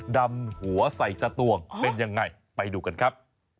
ดำหัวใส่สตวงเป็นยังไงไปดูกันครับ